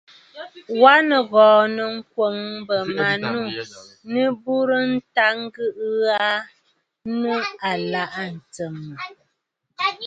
Wa nìghɔ̀ɔ̀ nɨ ŋkwǒŋ bə̀ manû nɨ burə nta ŋgɨʼɨ aa nɨ̂ ɨlaʼà tsɨ̀mə̀.